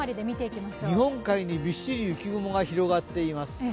日本海にびっしり雪雲が広がっています。